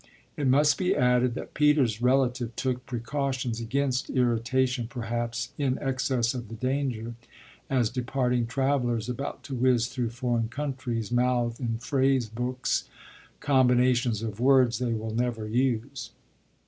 It must be added that Peter's relative took precautions against irritation perhaps in excess of the danger, as departing travellers about to whiz through foreign countries mouth in phrase books combinations of words they will never use.